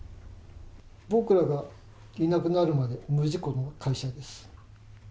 僕らがいなくなるまで、無事故の会社です。